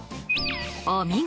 お見事！